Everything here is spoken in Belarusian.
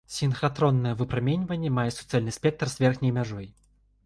Сінхратроннае выпраменьванне мае суцэльны спектр з верхняй мяжой.